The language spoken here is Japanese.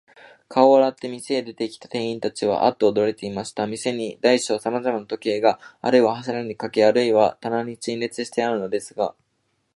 顔を洗って、店へ出てきた店員たちは、アッとおどろいてしまいました。店には大小さまざまの時計が、あるいは柱にかけ、あるいは棚に陳列してあるのですが、